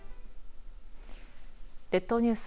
列島ニュース